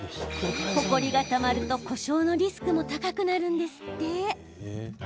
ほこりがたまると故障のリスクも高くなるんですって。